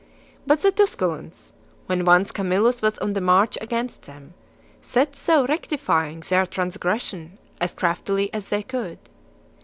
But the Tusculans, when once Camillus was on the march against them, set to rectifying their transgression. as craftily as they could.